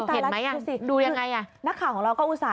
เห็นมั้ยยังอุ๊ยดูยังไงอะนักข่าวของเราก็อุตส่าห์